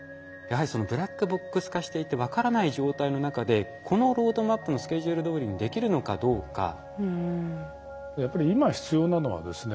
やはりブラックボックス化していて分からない状態の中でこのロードマップのスケジュールどおりにできるのかどうか？